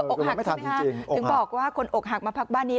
อกหักใช่ไหมคะถึงบอกว่าคนอกหักมาพักบ้านนี้